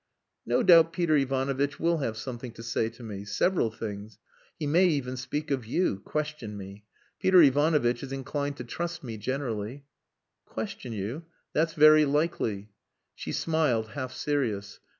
"No doubt Peter Ivanovitch will have something to say to me. Several things. He may even speak of you question me. Peter Ivanovitch is inclined to trust me generally." "Question you? That's very likely." She smiled, half serious.